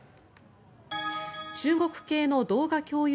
中国系の動画共有